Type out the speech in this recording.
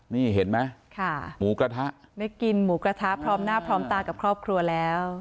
นี่เห็นไหมหมูกระทะได้กินหมูกระทะพร้อมหน้าพร้อมตากับครอบครัวแล้ว